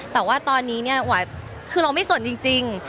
แต่ว่าตอนนี้เนี่ยไหวคือเราไม่สนจริง